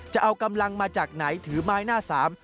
จะเอากำลังมาจากไหนถือไม้หน้าสาม